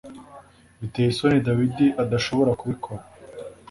Biteye isoni David adashobora kubikora